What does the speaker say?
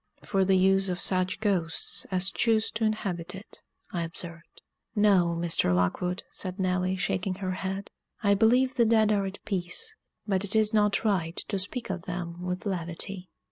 "For the use of such ghosts as choose to inhabit it," I observed. "No, Mr. Lockwood," said Nelly, shaking her head. "I believe the dead are at peace, but it is not right to speak of them with levity."